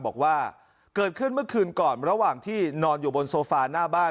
บอกว่าเกิดขึ้นเมื่อคืนก่อนระหว่างที่นอนอยู่บนโซฟาหน้าบ้าน